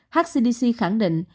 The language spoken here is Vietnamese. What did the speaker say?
hcdc khẳng định